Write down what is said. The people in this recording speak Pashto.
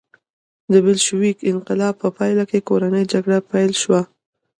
د بلشویک انقلاب په پایله کې کورنۍ جګړه پیل شوه